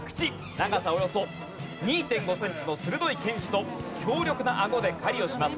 長さおよそ２．５センチの鋭い犬歯と強力な顎で狩りをします。